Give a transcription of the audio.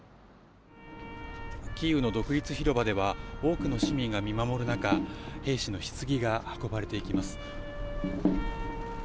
キーウの独立広場では多くの市民が見守る中兵士のひつぎが運ばれていきます。